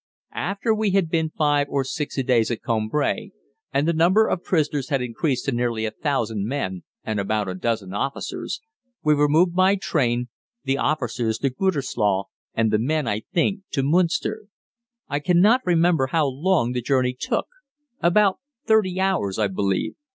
After we had been five or six days at Cambrai, and the number of prisoners had increased to nearly a thousand men and about a dozen officers, we were moved by train, the officers to Gütersloh, and the men, I think, to Münster. I cannot remember how long the journey took about thirty hours, I believe.